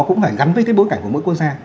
cũng phải gắn với cái bối cảnh của mỗi quốc gia